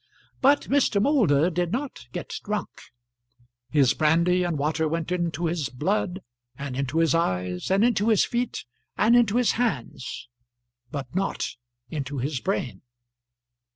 But Mr. Moulder did not get drunk. His brandy and water went into his blood, and into his eyes, and into his feet, and into his hands, but not into his brain.